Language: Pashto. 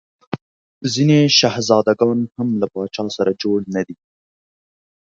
ځیني شهزاده ګان هم له پاچا سره جوړ نه دي.